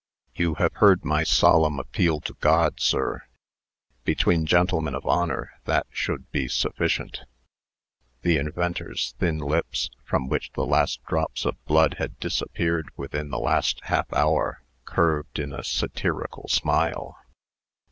"You have heard my solemn appeal to God, sir. Between gentlemen of honor that should be sufficient." The inventor's thin lips (from which the last drops of blood had disappeared within the last half hour) curved in a satirical smile.